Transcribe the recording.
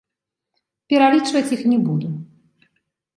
Пералічваць іх не буду.